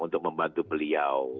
untuk membantu beliau